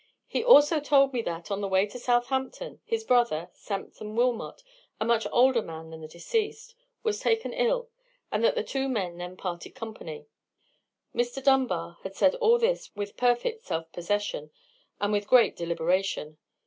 He also told me that, on the way to Southampton, his brother, Sampson Wilmot, a much older man than the deceased, was taken ill, and that the two men then parted company." Mr. Dunbar had said all this with perfect self possession, and with great deliberation.